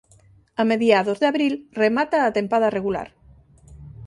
A mediados de abril remata a tempada regular.